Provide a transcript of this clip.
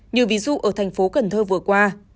nhiều ví dụ ở thành phố cần thơ vừa qua